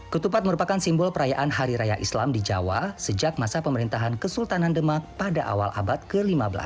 ketupat merupakan simbol perayaan hari raya islam di jawa sejak masa pemerintahan kesultanan demak pada awal abad ke lima belas